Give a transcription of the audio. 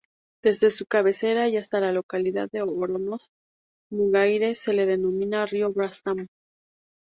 Desde su cabecera y hasta la localidad de Oronoz-Mugaire se le denomina río Baztán.